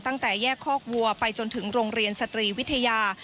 ตั้งแต่แยกคอกวัวไปจนถึงโรงเรียนสตรีวิทยา